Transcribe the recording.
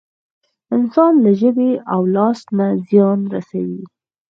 انسان له ژبې او لاس نه زيان رسوي.